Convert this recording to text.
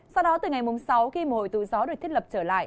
sau đó từ ngày sáu khi mùa hội tụ gió được thiết lập trở lại